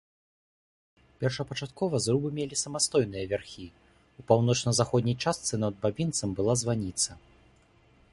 Першапачаткова зрубы мелі самастойныя вярхі, у паўночна-заходняй частцы над бабінцам была званіца.